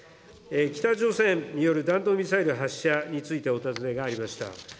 北朝鮮による弾道ミサイル発射についてお尋ねがありました。